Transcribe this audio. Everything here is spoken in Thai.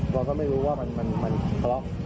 เราก็ไม่รู้ว่ามันคล็อก